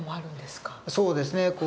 そうですね。